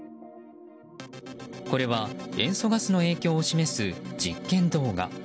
これは塩素ガスの影響を示す実験動画。